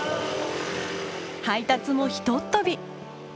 配達もひとっ飛び！